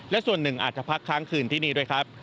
และส่วนหนึ่งอาจจะพักค้างคืนที่นี่ด้วยครับ